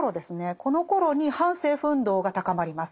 このころに反政府運動が高まります。